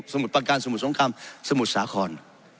สมุดประการสมุดสงครามสมุดสาขอน